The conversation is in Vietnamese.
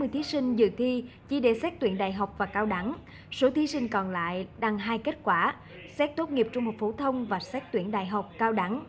ba mươi thí sinh dự thi chỉ để xét tuyển đại học và cao đẳng số thí sinh còn lại đăng hai kết quả xét tốt nghiệp trung học phổ thông và xét tuyển đại học cao đẳng